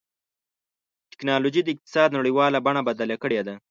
ټکنالوجي د اقتصاد نړیواله بڼه بدله کړې ده.